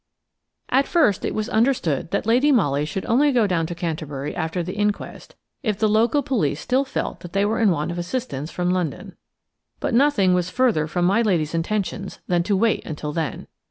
2 AT first it was understood that Lady Molly should only go down to Canterbury after the inquest, if the local police still felt that they were in want of assistance from London. But nothing was further from my lady's intentions than to wait until then.